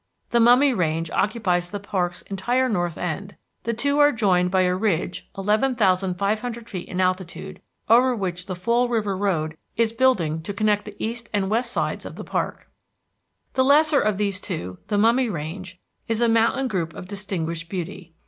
The Mummy Range occupies the park's entire north end. The two are joined by a ridge 11,500 feet in altitude, over which the Fall River Road is building to connect the east and the west sides of the park. The lesser of these two, the Mummy Range, is a mountain group of distinguished beauty.